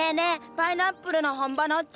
パイナップルの本場のおっちゃん！